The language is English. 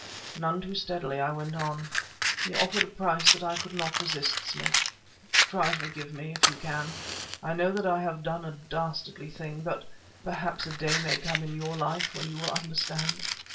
None too steadily I went on: "He offered a price that I could not resist, Smith. Try to forgive me, if you can. I know that I have done a dastardly thing, but perhaps a day may come in your own life when you will understand.